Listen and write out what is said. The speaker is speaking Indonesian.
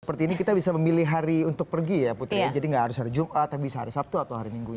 seperti ini kita bisa memilih hari untuk pergi ya putri jadi nggak harus hari jumat tapi bisa hari sabtu atau hari minggu